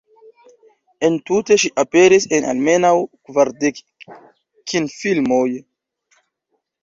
En tute ŝi aperis en almenaŭ kvardek kinfilmoj.